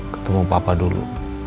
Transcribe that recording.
ketemu papa dulu